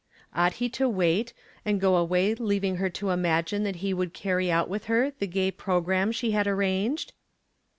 Ought he to wait, and go away leaving her to imagine that he would carry out with her the gay programme she had arranged